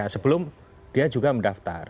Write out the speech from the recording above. sebelum dia juga mendaftar